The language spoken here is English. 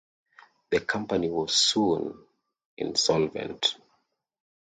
The company was soon insolvent.